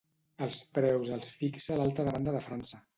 Els preus els fixa l'alta demanda de França.